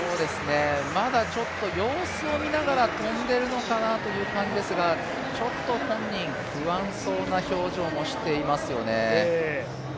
まだちょっと様子を見ながら跳んでいるという感じですが、ちょっと本人、不安そうな表情もしていますよね。